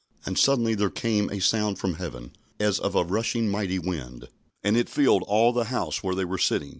"And suddenly there came a sound from Heaven as of a rushing mighty wind, and it filled all the house where they were sitting.